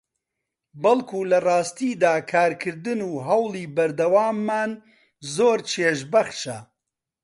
بەڵکو لەڕاستیدا کارکردن و هەوڵی بەردەواممان زۆر چێژبەخشە